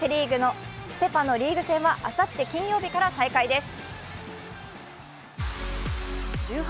セ・パのリーグ戦はあさって金曜日から再開です。